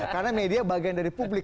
karena media bagian dari publik